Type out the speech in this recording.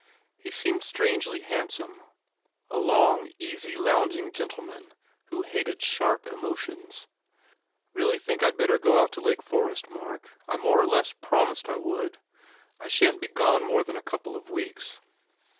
He seemed strangely handsome a long, easy lounging gentleman who hated sharp emotions. "Really think I d better go out to Lake For est, Mark. I more or less promised I would. I shan t be gone more than a couple of weeks."